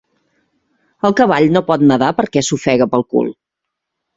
El cavall no pot nedar perquè s'ofega pel cul.